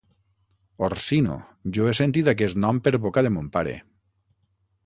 Orsino! Jo he sentit aquest nom per boca de mon pare.